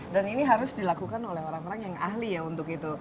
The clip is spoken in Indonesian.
dilakukan oleh orang orang yang ahli ya untuk itu